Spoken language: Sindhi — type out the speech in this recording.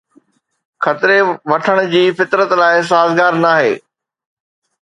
خطري وٺڻ جي فطرت لاءِ سازگار ناهي